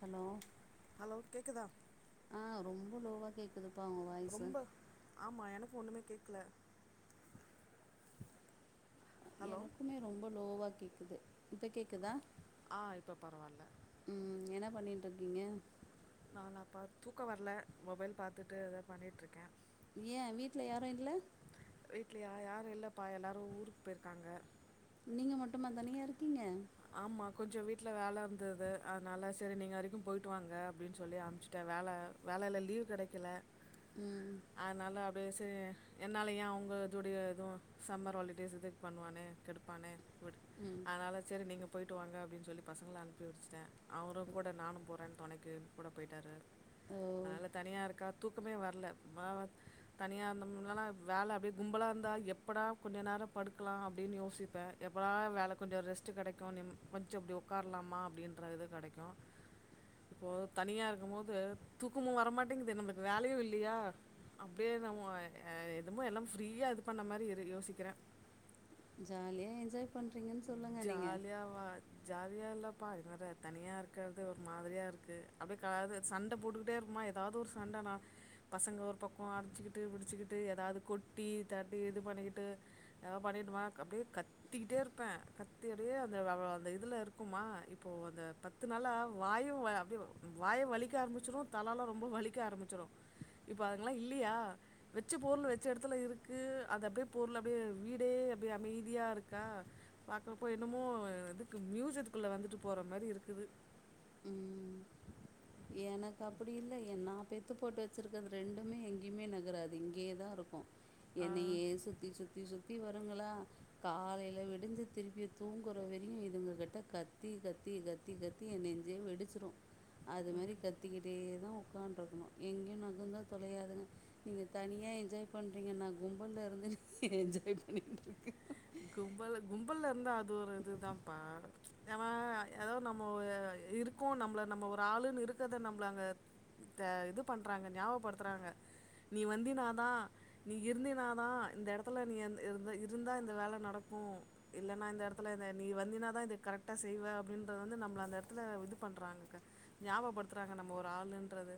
hello hello கேக்குதா ஆ ரொம்ப லோவா கேக் குதுப்பா உங்க வாய் ரொம்ப ஆமா எனக்கு ஒண்ணுமே கேக்ல ஹலோ மே ரொம்ப லோவா கேக்குது இப்ப கேக்குதா ஆ இப்போ பரவால்ல ம் என்ன பண்ணிட்ருக்கீங்க நான் நான் பா தூக்கம் வரல மொபைல் பாத்துட்டு அத பண்ணிட்ருக்கேன் ஏன் வீட்ல யாரும் இல்ல வீட்டில யா யாரும் இல்லப்பா எல்லாரும் ஊருக்கு போயிருக்காங்க நீங்க மட்டுமா தனியா இருக்கீங்க ஆமாம் கொஞ்சம் வீட்டில வேல இருந்தது அதனால் சரி நீங்கள் வரைக்கும் போய்டு வாங்க அப்படின்னு சொல்லி அமுச்சுட்டேன் வேல வேலையில லீவ் கிடைக்கல ம் அதனால் அப்டியே சரி என்னால் ஏன் அவங்க இதோடைய எதுவும் சம்மர் ஹாலிடேஸ் இது பண்ணுவானே கெடுப்பான்னே விடு ம் அதனால் சரி நீங்க போய்டவிட்டு வாங்க அப்டின்னு சொல்லி பசங்கள அனுப்பி விச்சுட்டேன் அவரும் கூட நானும் போறேன்னு துணைக்கு கூட போய்டாரு ஓ அதனால தனியாக இருக்கா தூக்கமே வரலை மாவ தனியா இருந்தாம்னால வேல அப்டியே கும்பலா இருந்தா எப்படா கொஞ்ச நேரோ படுக்கலா அப்டின்னு யோசிப்பே எப்பாடா வேல கொஞ்ச ரெஸ்ட்ட் கிடைக்கும் நிம் கொஞ்சம் இப்டி உக்காரலாமா அப்டின்ற இது கெடைக்கு இப்போ தனியா இருக்கும் போது தூக்குமு வரமாட்டேங்குது நம்மளுக்கு வேலையு இல்லையா அப்டியே ந அ எதுமோ எல்லா ஃப்ரீயா இது பண்ண மாரி யோசிக்கிறே ஜாலியா என்ஜாய் பண்ணுறீங்கன்னு சொல்லுங்கள் நீங்க ஜாலியா இல்லப்பா இது வேற தனியா இருக்கறதே ஒரு மாதிரியா இருக்கு அப்டியே காது சண்டை போட்டுக்கிட்டே இருப்பமா ஏதாவது ஒரு சண்டைனா பசங்க ஒரு பக்கோ அடிச்சுக்கிட்டு புடிச்சுக்கிட்டு ஏதாவது கொட்டி தட்டி இது பண்ணிக்கிட்டு எ பண்ணிடுமா அப்டியே கத்திக்கிட்டே இரு வப்பே கத்தி அடியே அந்த அ அந்த இதுல இருக்குமா இப்போ அந்த பத்து நாளா வாயு அப்டியே வாயு வலிக்க ஆரம்பிச்சிரு தலாலா ரொம்ப வலிக்க ஆரம்பிச்சிரு இப்ப அதுங்கெல்லா இல்லையா வெச்சு பொருள் வச்ச இடத்துல இருக்கு அது அப்டியே பொருள் அப்டியே வீடே அப்டியே அமைதியா இருக்கா பாக்கறப்போ என்னமோ இதுக்கு மியூசியத்துக்குள்ள வந்துட்டு போற மாரி இருக்குது ம் எனக்கு அப்டி இல்லை எ நா பெத்து போட்டு வச்சிருக்கறது ரெண்டுமே எங்கேயுமே நகராது இங்கேயே தா இருக்கு ஆ என்னையே சுத்தி சுத்தி சுத்தி வருங்களா காலையில விடிஞ்ச திருப்பி தூங்குற வரையு இதுங்க கிட்ட கத்தி கத்தி கத் தி கத்தி எ நெஞ்சே வெடிச்சிரு அது மாதிரி கத்தக்கிட்டே தா உக்காட்டிருக்கணு எங்கேயு நகுந்தா தொலையாதுங்க நீங்க தனியா என்ஜாய் பண்றீங்க நா கும்பல்ல இருந்து என்ஜாய் பண்ணிட்டு இருக்க கும்பல கும்பல்ல இருந்து அது ஒரு இதுதாப்ப ந ஏதோ நம்ம இருக் க்கு நம்மள நம்ம ஒரு ஆளுன்னு இருக்கிறதை நம்மளை அங்க க இது பண்றாங்க ஞாபடுத்துறாங்க நீ வந்தினாதா நீ இருந்தினாதா இந்த எடத்துல நீ இரு இரு இருந்தா இந்த வேல நடக்கு இல்லன்னா இந்த இடத்துல நீ வந்தினாதா இதை கரெக்டா செய்வே அப்டின்றது வந்து நம்மள அந்த எடத்துல இது பண்றாங்க ஞாபப்படுத்துறாங்க நம்ம ஒரு ஆளுன்றத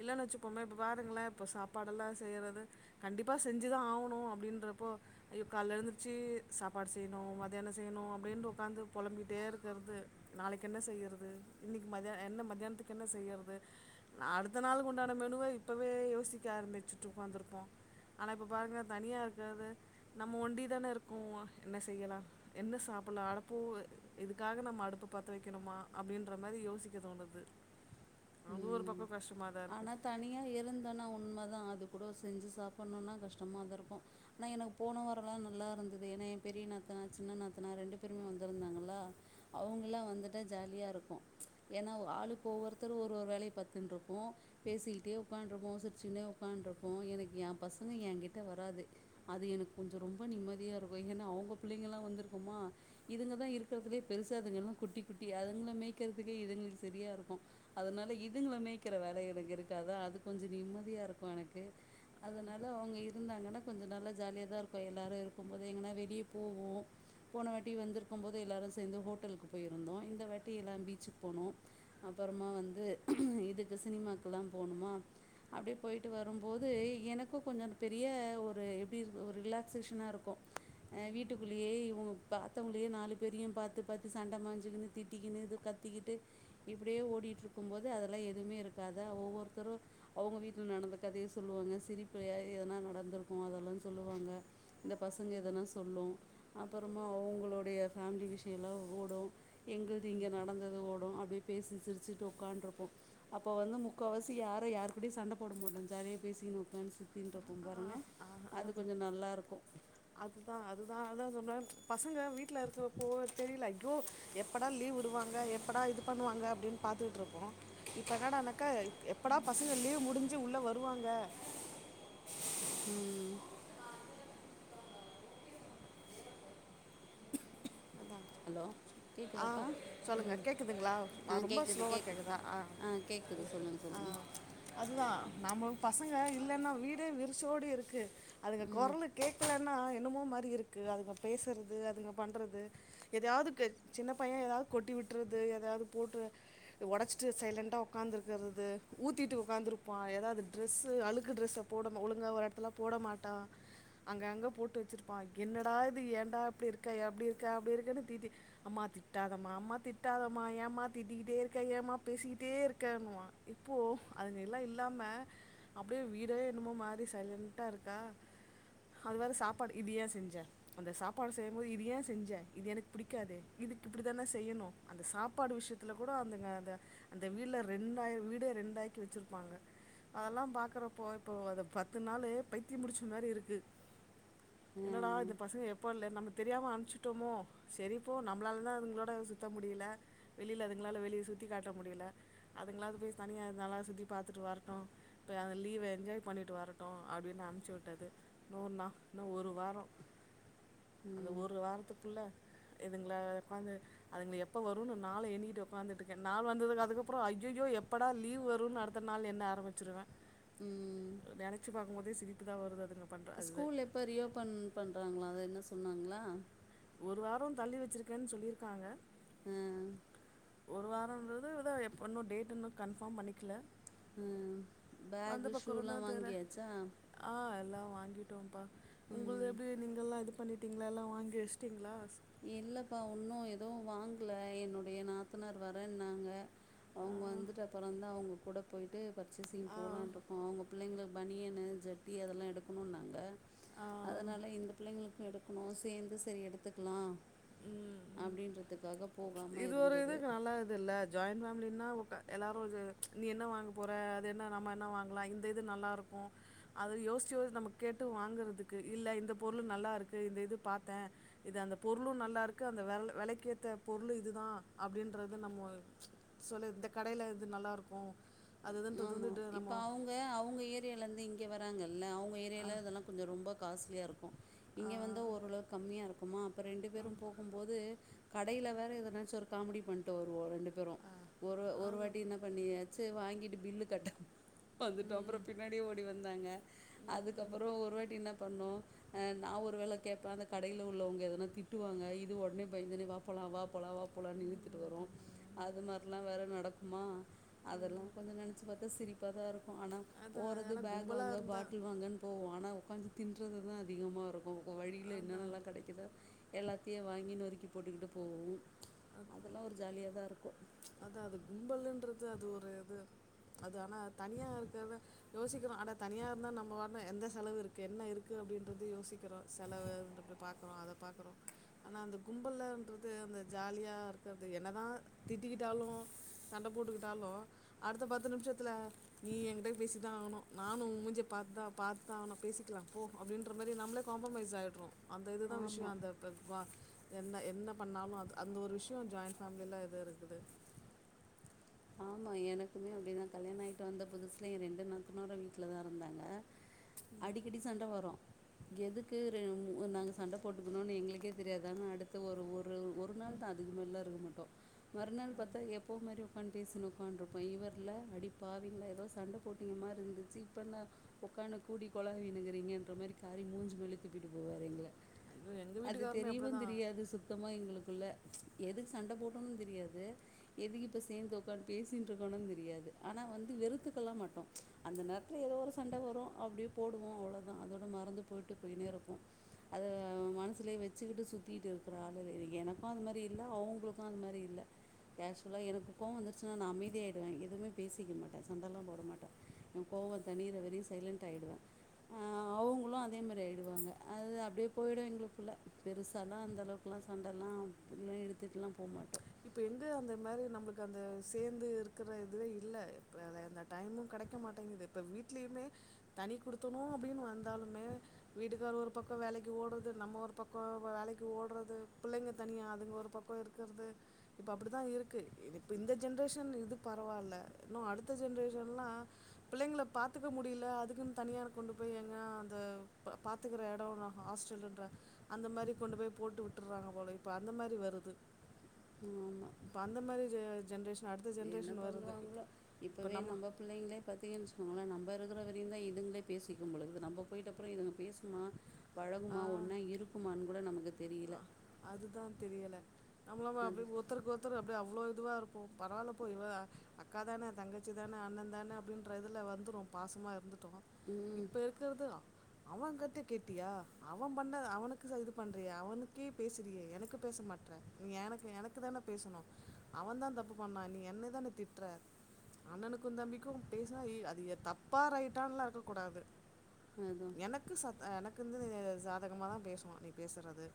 இல்லன்னு வச்சுப்போமே இப்ப பாருங்களா இப்ப சாப்பாடுஎல்லா செய்யறது கண்டிப்பா செஞ்சுதா ஆவணு அப்டின்றப்போ ஐயோ காலில எழுந்திருச்சு சாப்பாடு செய்யணு மத்தியானோ செய்யணு அப்டின்னு உக்காந்து பொழம்பிட்டே இருக்கிறது நாளைக்கு என்ன செய்யறது இன்னைக்கி மதியான என்ன மத்தானத்துக்கு என்ன செய்யறது அடுத்த நாளுக்கு உண்டான மெனுவ இப்பவே யோசிக்க ஆரம்பிச்சுட்டு உக்காந்துருப்போ ஆனா இப்ப பாருங்க தனியா இருக்கறது நம்ம ஒண்டிதானே இருக்கோ என்ன செய்யலா என்ன சாப்பிடல அடப்போ இதுக்காக நம்ம அடுப்பு பத்த வைக்கணுமா அப்டின்ற மாரி யோசிக்க தோணுது அது ஒரு பக்கோ கஷ்டமாதா இருக்கு தனியாக இருந்தோனா உண்ம தா அது கூட செஞ்சு சாப்பிட்ணும்னா கஷ்டமாக தா இருக்கு ஆனா எனக்கு போன வரோ எல்லா நல்லா இருந்தது ஏன்னா எ பெரிய நாத்தனார் சின்ன நாத்தனார் ரெண்டு பேருமே வந்திருந்தாங்களா அவங்கல்லா வந்துட்டா ஜாலியா இருக்கு ஏன்னா ஆளுக்கு ஒவ்வொரு தரு ஒரு ஒரு வேலய பத்துன்ருப்போ பேசிக்கிட்டே உக்காண்டிருபோ சிரிச்சின்னே உக்காடிருப்போ எனக்கு எ பசங்க எ கிட்ட வராது அது எனக்கு கொஞ்ச ரொம்ப நிம்மதியா இருக்கு ஏன்னா அவங்க பிள்ளைங்கள்லா வந்திருக்குமா இதுங்க தா இருக்கறதுலயே பெருச அதுங்கல்லா குட்டி குட்டி அதுங்கள மேய்கறதுக்கே இதுங்களுக்கு சரியாருக்கு அதனால இதுங்கள மேய்க்கற வேல எனக்கு இருக்காது அது கொஞ்சோ நிம்மதியா இருக்கு எனக்கு அதனால அவங்க இருந்தாங்கன்னா கொஞ்ச நல்லா ஜாலியா தா இருக்கு எல்லோரு இருக்கும்போது எங்கன்னா வெளியே போவோ போன வாட்டி வந்திருக்கும் போது எல்லாரு சேந்து ஹோட்டலுக்கு போயிருந்தோ இந்த வாட்டி எல்லா பீச்சுக்கு போனோ அப்புறமா வந்து இதுக்கு சினிமாக்குல்லா போணுமா அப்டியே போயிட்டு வரும்போது எனக்கும் கொஞ்சம் பெரிய ஒரு எப்டிருக்கும் ஒரு ரிலாக்சேஷனா இருக்கும் அ வீட்டுக்குள்ளேயே இவுங்க பாத்தவங்களயே நாலு பேரையும் பாத்து பாத்து சண்ட மாஞ்சுக்கன்னு திட்டிக்கினு இது க சுத்திக்கிட்டு இப்டியே ஓடிட்ருக்கும் போது அதெல்லாம் எதுமே இருக்காது ஒவ்வொருத்தரும் அவுங்க வீட்ல நடந்த கதய சொல்லுவாங்க சிரிப்பலயா எதுனா நடந்திருக்கும் அதெல்லாம் சொல்லுவாங்க இந்த பசங்க எதனா சொல்லும் அப்பறமா அவங்களுடைய ஃபேமிலி விஷயோல்லாம் ஓடும் எங்கள்து இங்க நடந்தது ஓடும் அப்டியே பேசி சிரிச்சுட்டு உட்காட்ருப்போம் அப்போ வந்து முக்கவாசி யாரும் யாரு கூடயும் சண்ட போட மாட்டோம் ஜாலியா பேசின்ருப்போம் சுத்தின்ட்ருப்போம் பாருங்க அது கொஞ்சம் நல்லாருக்கும் அதுதான் அதுதான் அதான் சொல்வேன் பசங்க வீட்ல இருக்கிறப்போ தெரில அய்யோ எப்படா லீவ் விடுவாங்க எப்படா இது பண்ணுவாங்க அப்டின்னு பாத்துக்கிட்ருப்போம் இப்ப என்னடானக்க எப்படா பசங்க லீவ் முடிஞ்சு உள்ள வருவாங்க ம் ம் ம் ஹலோ ஆ கேக்குதாப்பா ம் சொல்லுங்கள் கேட்குதுங்களா ஆ ரொம்ப கேக்குது ஸ்லோவாக கேக்குது கேட்குதா ஆ கேக்குது சொல்லுங்க ஆ சொல்லுங்க அதுதான் நம்ம பசங்க இல்லன்னா வீடே வெரிச்சோடி இருக்கு அதுங்க ம் கொரலு கேக்கலன்னா என்னமோ மாரி இருக்கு அதுங்க பேசுறது அதுங்க பண்ணுறது எதையாவது க சின்ன பையன் ஏதாவது கொட்டி விட்டுறது ஏதாவுது போட்டு ஒடச்சிட்டு சைலண்டா உக்காந்து இருக்கிறது ஊத்திட்டு உக்காந்துருப்பான் ஏதாவது ட்ரெஸ்சு அழுக்கு ட்ரெஸ்ச போடனு ஒழுங்கா ஒரு எடத்துல போட மாட்டான் அங்கங்க போட்டு வச்சிருப்பான் என்னடா இது ஏன்டா இப்டிருக்க எப்டிருக்கா அப்டிருக்கன்னு திட்டி அம்மா திட்டாதமா அம்மா திட்டாதமா ஏமா திட்டிக்கிட்டே இருக்க ஏமா பேசிக்கிட்டே இருக்கன்னுவான் இப்போ அதுங்கல்லா இல்லாம அப்டியே வீட என்னமோ மாரி சைலன்டா இருக்கா அது வேற சாப்பாடு இது ஏன் செஞ்ச அந்த சாப்பாடு செய்யும்போது இது ஏன் செஞ்ச இது எனக்கு புடிக்காதே இதுக்கு இப்டி தானே செய்யணும் அந்த சாப்பாடு விஷயத்துல கூட அதுங்க அந்த அந்த வீட்ல ரெண்டாயர வீடே ரெண்டாக்கி வெச்சிருப்பாங்க அதெல்லாம் பாக்குறப்போ இப்போ அத பத்து நாளு பைத்தியம் புடிச்ச மாரி இருக்கு ஆ என்னடா இந்த பசங்க எப்ப இல் நம்ம தெரியாம அனுப்ச்சுட்டோமோ செரிப்போ நம்மளால தான் அதுங்களோட சுத்த முடில வெளில அதுங்களால வெளிய சுத்தி காட்ட முடில அதுங்களாவது போய் தனியா அத நல்லா சுத்தி பாத்துட்டு வரட்டும் இப்ப அந்த லீவ என்ஜாய் பண்ணிட்டு வரட்டும் அப்டின்னு அனுப்ச்சு விட்டது இன்னொ நா இன்னும் ஒரு வாரோ அந்த ம் ஒரு வாரத்துக்குள்ள இதுங்கள ஒக்காந்து அதுங்க எப்ப வரும் நாள எண்ணிட்டு உக்காந்துட்ருக்கேன் நா வந்தது அதுக்கப்பற ஐய்யயோ எப்படா லீவ் வரும் அடுத் த்த நாள்லருந்து என்ன ஆரம்பிச்சுருவேன் ம் நெனச்சி பாக்கும் போதே சிரிப்பு தான் வருது அதுங்க பண்ணுற அது ஸ்கூல் எப்போ ரீஓபன் பண்றாங்க அத என்ன சொன்னாங்களா ஒரு வாரோ தள்ளி வச்சிருக்கேன்னு சொல்லிருக்காங்க ம் ஒரு வாரம்ங்கறது இதான் எப்போ இன்னும் டேட் இன்னும் கன்ஃபார்ம் பண்ணிக்கல ம் வந்த பேகு பக்கம்தா ஷூலாம் தெர்ல வாங்கியாச்சா ஆ எல்லாம் வாங்கிட்டோம் பா உங்களது ம் எப்டி நீங்க எல்லாம் இது பண்ணிட்டிங்களா எல்லாம் வாங்கி வச்சிட்டிங்களா இல்லப்பா ஒன்னும் எதுவும் வாங்கல என்னுடைய நாத்தனார் வரேன்னாங்க ஆ அவங்க வந்துட்டு அப்றம் தான் அவங்க கூட போயிட்டு பர்ச்சேசிங் ஆ போலானு இருக்கோம் அவங்க பிள்ளைங்களுக்கு பனியனு ஜட்டி அதெல்லா எடுக்கணும்ன்னாங்க ஆ அதனால இந்த பிள்ளைங்களுக்கு எடுக்கணும் சேந்து செரி எடுத்துக்கலாம் ம் ம் அப்டின்றதுக்காக போகாம இருந்தது இதுல்ல ஜாயின்ட் ஃபேமிலினா உக்கார் எல்லாரும் வந்து நீ என்ன வாங்க போற அது என்ன நம்ம என்ன வாங்கலாம் இந்த இது நல்லா இருப்போம் அத யோசிச்சு யோசிச்சு நம்ப கேட்டு வாங்குறதுக்கு இல்ல இந்த பொருள் நல்லா இருக்கு இந்த இது பாத்தேன் இது அந்த பொருளும் நல்லா இருக்கு அந்த வெல வெலக்கேத்த பொருளு இதுதான் அப்டின்றது நம்மோ சொல்லு இந்தக்கடைல இது நல்லாருக்கும் அதுதான் தொடர்ந்துட்டு நம்மோ யே அவங்க ஏரியாலருந்து இங்க வராங்கல்ல அவங்க ஏரியால இதெல்லாம் கொஞ்சம் ரொம்ப காஸ்ட்லியா இருக்கும் ஆ இங்கே வந்தா ஓரளவுக்கு கம்மியா இருக்குமா அப்போ ரெண்டு பேரும் போகும்போது கடைல வேற எதனாச்சும் ஒரு காமெடி பண்ட்டு வருவோம் ரெண்டு பேரும் ஒரு ஒரு அது வாட்டி என்ன பண்ணி சேரி வாங்கிட்டு பில்லு கட்டு வந்துட்டோம் ம் அப்றம் பின்னாடியே ஓடி வந்தாங்க அதுக்கப்புறம் ஒரு வாட்டி என்ன பண்ணோம் ஆ நான் ஒரு வெல கேப்பேன் அந்த கடைல உள்ளவங்க எதுனா திட்டுவாங்க இது ஒடனே பயந்துன்னு போலாம் வா போலாம் வா போலாம்னு இழுத்துட்டு வரும் அது மாதிரிலாம் வேற நடக்குமா அதெல்லாம் கொஞ்சம் நெனச்சு பாத்தா சிரிப்பா தான் இருக்கும் ஆனா அதான் போறது அதெல்லாம் பேக் கும்பலா வாங்க இருந்தா பாட்டில் வாங்கன்னு போவோம் அனா உக்காந்து தின்றது தான் அதிகமா இருக்கும் வழில அதான் என்னென்னலாம் கெடைக்குதோ எல்லாத்தையும் வாங்கி நொறுக்கி போட்டுக்கிட்டு போவோம் அதெல்லாம் ஒரு ஜாலியா தான் இருக்கும் அதான் அது கும்பல்ன்றது அது ஒரு இது அது ஆனா தனியா இருக்கிறது யோசிக்கிறோம் அட தனியா இருந்தா நம்ப பாட்டுன எந்த செலவு இருக்கு என்ன இருக்கு அப்டின்றது யோசிக்கிறோம் செலவு பாக்றோம் அத பாக்றோம் ஆனா அந்த கும்பல்ன்றது அந்த ஜாலியா இருக்கறது என்ன தான் திட்டிக்கிட்டாலும் சண்ட போட்டுக்கிட்டாலும் அடுத்த பத்து நிமிஷத்துல நீ என்கிட்ட பேசிதான் ஆவனும் நானும் ஒன் முஞ்ச பாத்துதா பாத்துதான் ஆகனும் பேசிக்கலாம் போ அப்டின்ற மாதிரி நம்மளே காம்ப்ரமைஸ் ஆயிட்றோம் அந்த இதுதான் விஷயம் ஆமாம் அந்த வா என்ன என்ன பண்ணாலும் அது அந்த ஒரு விஷயம் ஜாயிண்ட் ஃபேமிலில எதோ இருக்குது ஆமா எனக்குமே அப்டிதான் கல்யாணம் ஆயிட்டு வந்த புதுசுல என் ரெண்டு நாத்துனாருமே வீட்ல தான் இருந்தாங்க அடிக்கடி சண்ட வரும் எதுக்கு ரெ மூ நாங்க சண்ட போட்டுக்கணும்னு எங்களுக்கே தெரியாது அனா அடுத்த ஒரு ஊர் ஒரு ஒரு நாள் தான் அதுக்கு மேலலாம் இருக்க மாட்டோம் மறுநாள் பாத்தா எப்பவும் மாறி உக்காந்து பேசின்னு ஒக்காந்துட்டு இருப்போம் இவருல அடிப்பாவிங்களா ஏதோ சண்ட போட்டிங்க மாதிரி இருந்துச்சு இப்ப என்ன ஒக்கானு கூடி கொலாவின்னு இருக்கீறிங்கன்ற மாதிரி காரி மூஞ்சு மேலே துப்பிட்டு போவாரு எங்கள ஐயோ எங்கள் அது வீட்டுக்காரருமே அப்படி தெரியவும் தான் தெரியாது சுத் சுத்தமா எங்களுக்குள்ள எதுக்கு சண்ட போட்டோம்ன்பனு தெரியாது எதுக்கு இப்ப இப்ப சேர்ந்து உக்காந்துட்டு பேசிட்டு இருக்கணும்னு தெரியாது அனா வந்து வெறுத்துக்கலாம் மாட்டோம் அந்த நேரத் ஏதோ ஒரு சண்ட வரும் அப்டியே போடுவோம் அவ்வளோதான் அதோட மறந்து போயிட்டு போயினே இருக்கும் அத மனசுலே வச்சுக்கிட்டு சுத்திட்டு இருக்கிற ஆள் இல்ல எனக்கும் அது மாதிரி இல்ல அவங்களுக்கும் அது மாதிரி இல்ல கேஷுவலா எனக்கு கோவம் வந்துருச்சுன்னா நான் அமைதியா ஆயிடுவேன் எதுவுமே பேசிக்க மாட்டேன் சண்டலாம் போட மாட்டேன் கோவம் தணியிரவெரையும் சைலண்ட் ஆகிடுவேன் ஆ அவங்களும் அதே மாதிரி ஆகிடுவாங்க அது அப்டியே போயிடும் எங்களுக்குள்ள பெருசாலாம் அந்தளவுக்கு இப்பலாம் சண்டலாம் புள்ள எடுத்துட்டுலாம் போமாட்டோம் இப்ப எங்க அந்த மாதிரி நம்மளுக்கு அந்த சேந்து இருக்கற இதுவே இல்ல இப்ப வேற எந்த டைமும் கெடைக் க்க மாட்டெங்கிது இப்ப வீட்லயுமே தனி குடுத்தணொ அப்டின்னு வந்தாலுமே வீட்டுக்காரு ஒரு பக்கொ வேலக்கி ஓடுறது நம்ம ஒரு பக்கொ வேலக்கி ஓடுறது புள்ளைங்க தனியா அதுங்க ஒரு பக் க்கொ இருக்கறது இப்ப அப்டி தா இருக்கு இப்ப இந்த ஜென்ரேஷன் இது பரவால்ல இன்னொ அடுத்த ஜென்ரேஷன்லா பிள்ளங்கள பாத்துக்க முடில அதுக்குன் தனியார் கொண்டு போய் எங்கா அந்த ப பாத் த்துக்குற எடொனா ஹாஸ்டலுன்றாங்க அந்த மாரி கொண்டு போய் போட்டு விட்டுர்றாங்க போல இப்ப அந்த மாரி வருது ஆமா இப்ப அந்த மாரி ஜ ஜென்ரேஷன் அடுத்த ஜென்ரேஷன் வருது இப் இப்ப நம்ம புள்ளங்ளே பத்தியன் வச்சுகோங்ளே நம்ப இருக்ற வரையுந்தா இதுங்ளே பேசிக்கும் போலக்குது நம்ப போய்ட்ட அப்பறொ இதுங்க பேசுமா பழகுமா ஆ ஒன்னா இருக்குமான் கூட நமக்கு தெரியல அதுதா தெரியல நம்மளமா அப்டி அது ஒர்த்தருக்கொத் த்ரு அப்டியே அவ்ளோ இதுவாருப்போ பரவால்ல போ இவ அக்கா தான தங்கச்சி தான அண்ணந்தான அப்டின்றதுல வந்துரு பாசமா இருந்து ட்டோ ம் இப்ப இருக்கறது அவங்கட்ட கேட்டியா அவ பண்ண அவனுக்கு இது பன்றியா அவனுக் க்கே பேசுறியே எனக்கு பேச மாட்ற நீ எனக்கு எனக்கு தான பேசனு அவந்தா தப்பு பண்ணா நீ என்ன தான திட்ற அண்ணனுக்கு தம்பிக்கு பேசுனா இ அது தப்பா ரைட்டான்லா இருக்க கூடாது அதுதான் எனக்கு சத் எனக்கு வந்து நீ சாதகமா தா பேசுனு நீ பேசுறது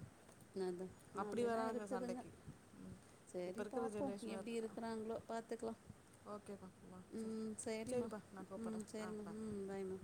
அதா அப்படி அப்டிதா வராங்க இருக்குதுங்க சண்டைக்கு ம் இப்போ சேரி இருக்கிற பாப்போ ஜென்ரேஷன் எப்டி இருக்றாங்ளோ பாத்துக்கலா ஓகேப்பா சரி ம் செரிமா சரிப்பா நான் ம் கூப்பிட்றேன் ஆ செரிமா பாய் ம் பாய்மா